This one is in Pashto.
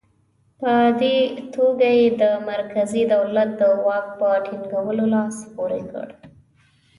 په دې توګه یې د مرکزي دولت د واک په ټینګولو لاس پورې کړ.